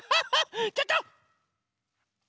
ちょっと！